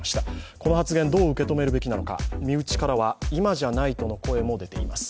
この発言、どう受け止めるべきなのか、身内からは今じゃないとの声も出ています。